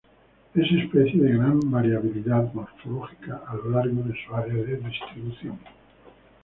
Es especie de gran variabilidad morfológica a lo largo de su área de distribución.